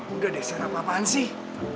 enggak deh serap apaan sih